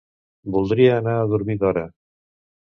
Voldria anar a dormir d'hora.